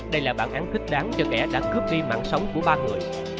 đây là bản án kích đáng cho kẻ đã cướp ghi mạng sống của ba người